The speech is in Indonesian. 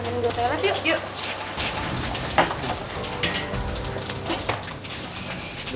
tidak ada yang bisa